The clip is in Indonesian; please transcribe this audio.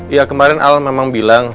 iya kemaren al memang bilang